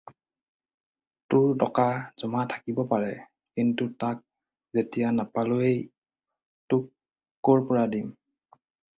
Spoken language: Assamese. তোৰ টকা জমা থাকিব পাৰে, কিন্তু তাক যেতিয়া নাপালোঁৱেই তোক ক'ৰ পৰা দিম।